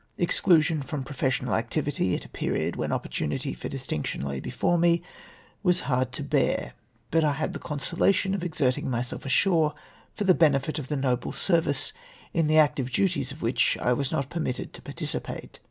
Exclusion from professional activity at a period when oppor tunity for distinction lay before me, was hard to bear ; but I had the consolation of exerting myself ashore for the benefit of the noble service, in the active duties of which I was not permitted to participate.